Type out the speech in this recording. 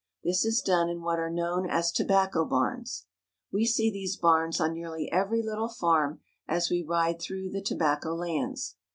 This is done in what are known as tobacco barns. We see these barns on nearly every little farm as we ride through the tobacco lands.